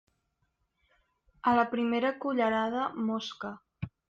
A la primera cullerada, mosca.